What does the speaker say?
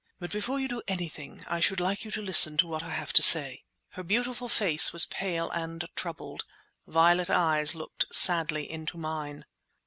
But before you do anything I should like you to listen to what I have to say." Her beautiful face was pale and troubled. Violet eyes looked sadly into mine.